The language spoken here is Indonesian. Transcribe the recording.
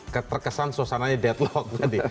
keterkesan suasananya deadlock tadi